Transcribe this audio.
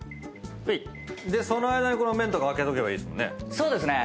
その間にこの麺とか開けとけばいいですもんね。